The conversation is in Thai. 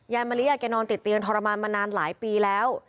มะลิแกนอนติดเตียงทรมานมานานหลายปีแล้ว